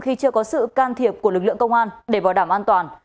khi chưa có sự can thiệp của lực lượng công an để bảo đảm an toàn